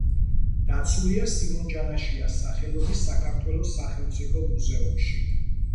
დაცულია სიმონ ჯანაშიას სახელობის საქართველოს სახელმწიფო მუზეუმში.